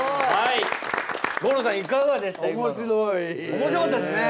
面白かったですね。